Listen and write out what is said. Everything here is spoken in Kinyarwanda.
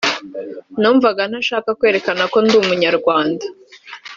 numvaga ntashaka kwerekana ko ndi umunyarwanda